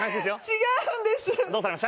違うんです！